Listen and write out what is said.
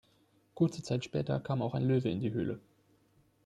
Kurze Zeit später kam auch ein Löwe in die Höhle.